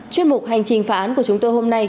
chuyên mục hành trình phá án của chúng tôi hôm nay